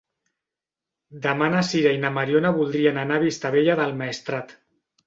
Demà na Sira i na Mariona voldrien anar a Vistabella del Maestrat.